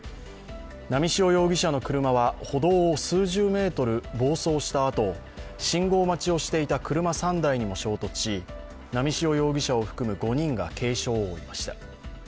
波汐容疑者の車は歩道を数十メートル暴走したあと信号待ちをしていた車３台にも衝突し波汐容疑者を含む５人が軽傷を負いました。